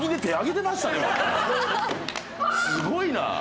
すごいな。